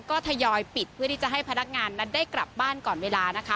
ก็ทยอยปิดเพื่อที่จะให้พนักงานนั้นได้กลับบ้านก่อนเวลานะคะ